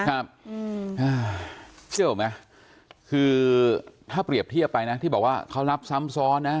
ครับอืมอ่าเชื่อไหมคือถ้าเปรียบเทียบไปนะที่บอกว่าเขารับซ้ำซ้อนนะ